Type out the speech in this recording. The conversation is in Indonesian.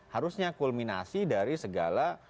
harusnya kulminasi dari segala